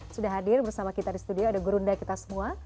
sudah hadir bersama kita di studio ada gurunda kita semua